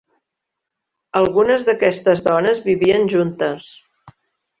Algunes d'aquestes dones vivien juntes.